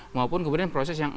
maupun kemudian proses yang